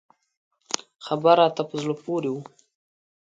خبر راته په زړه پورې و.